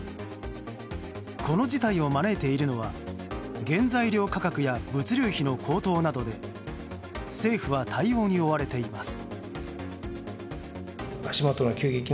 この事態を招いているのは原材料価格や物流費の高騰などで政府は対応に追われています。